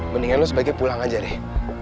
mendingan lo sebaiknya pulang aja deh